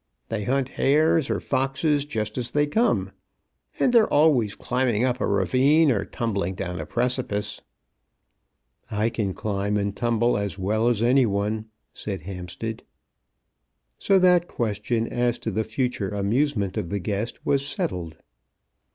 They hunt hares or foxes just as they come, and they're always climbing up a ravine or tumbling down a precipice." "I can climb and tumble as well as any one," said Hampstead. So that question as to the future amusement of the guest was settled.